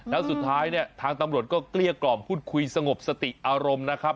แล้วสุดท้ายเนี่ยทางตำรวจก็เกลี้ยกล่อมพูดคุยสงบสติอารมณ์นะครับ